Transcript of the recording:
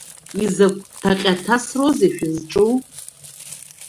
Изакә ҭаҟьа-ҭасроузеи шәызҿу?